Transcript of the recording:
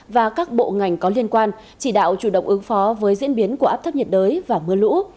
và các bộ ngành có liên quan chỉ đạo chủ động ứng phó với diễn biến của áp thấp nhiệt đới và mưa lũ